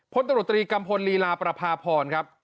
พตรกัมพลลีลาประพาพรครับ